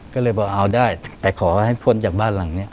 ก็เลยบอกเอาได้แต่ขอให้พ้นจากบ้านหลังนี้